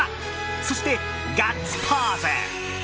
そして、ガッツポーズ。